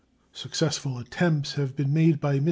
Successful attempts have been made by MM.